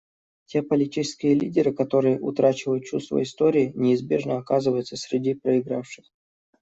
Те политические лидеры, которые утрачивают чувство истории, неизбежно оказываются среди проигравших.